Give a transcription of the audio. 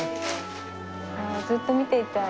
ああずっと見ていたい。